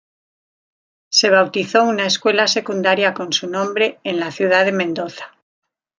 Se bautizo una escuela secundaria con su nombre, en la ciudad de Mendoza.